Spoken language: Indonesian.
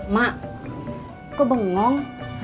mak kok bengong